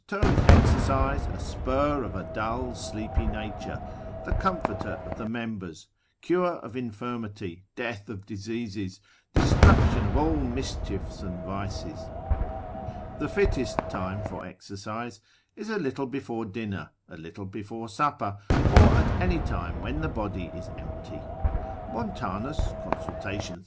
terms exercise, a spur of a dull, sleepy nature, the comforter of the members, cure of infirmity, death of diseases, destruction of all mischiefs and vices. The fittest time for exercise is a little before dinner, a little before supper, or at any time when the body is empty. Montanus, consil. 31.